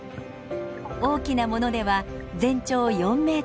大きなものでは全長４メートル。